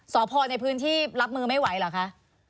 สพในพื้นที่รับมือไม่ไหวเหรอคะ